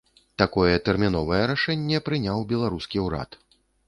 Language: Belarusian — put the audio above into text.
Такое тэрміновае рашэнне прыняў беларускі ўрад.